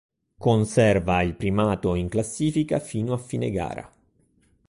Conserva il primato in classifica fino a fine gara.